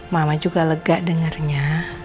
mama juga lega dengarnya